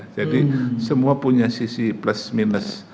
jadi semua punya sisi plus minus